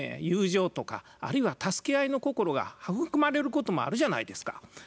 友情とかあるいは助け合いの心が育まれることもあるじゃないですか。